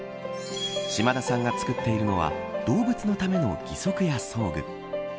島田さんが作っているのは動物のための義足や装具。